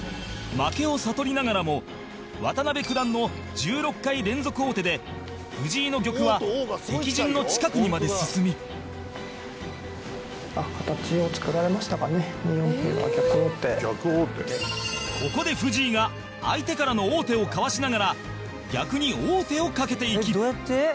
負けを悟りながらも渡辺九段の１６回連続王手で藤井の玉は敵陣の近くにまで進みここで藤井が相手からの王手をかわしながら逆に王手をかけていき高橋：